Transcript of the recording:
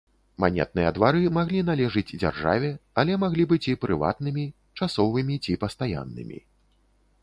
Манетныя двары маглі належыць дзяржаве, але маглі быць і прыватнымі, часовымі ці пастаяннымі.